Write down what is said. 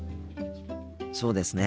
そうですね。